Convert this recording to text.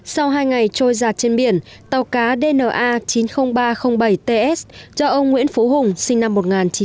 sau hai ngày trôi giặt trên biển tàu cá dna chín mươi nghìn ba trăm linh bảy ts do ông nguyễn phú hùng sinh năm một nghìn chín trăm tám mươi